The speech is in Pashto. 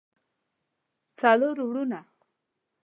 څلور وروڼه